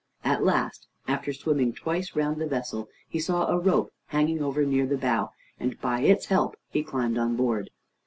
At last, after swimming twice round the vessel, he saw a rope hanging over, near the bow, and by its help he climbed on board.